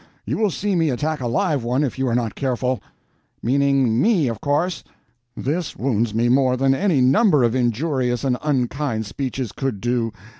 You will see me attack a live one if you are not careful." "Meaning me, of course. This wounds me more than any number of injurious and unkind speeches could do.